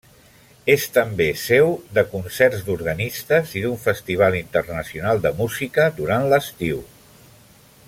És també seu de concerts d'organistes i d'un festival internacional de música durant l'estiu.